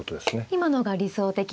今のが理想的な。